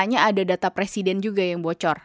hanya ada data presiden juga yang bocor